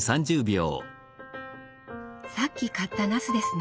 さっき買ったなすですね。